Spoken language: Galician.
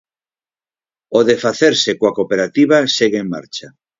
O de facerse coa cooperativa segue en marcha.